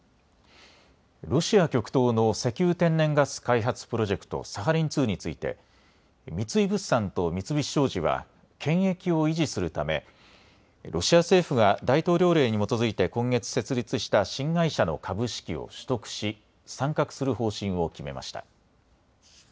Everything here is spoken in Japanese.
ロシア極東の石油・天然ガス開発プロジェクト、サハリン２について三井物産と三菱商事は権益を維持するためロシア政府が大統領令に基づいて今月、設立した新会社の株式を取得し参画する方針を決めました。